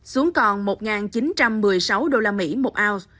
xuống còn một chín trăm một mươi sáu đô la mỹ một ao